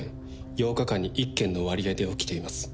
８日間に１件の割合で起きています。